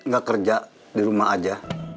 gak kerja di rumah aja